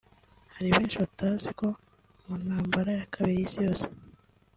Hari benshi batazi ko mu ntambara ya kabiri y’isi yose